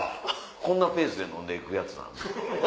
こんなペースで飲んで行くやつなの？